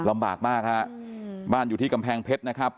ลำบากมากฮะบ้านอยู่ที่กำแพงเพชรนะครับ